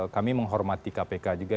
kami menghormati kpk juga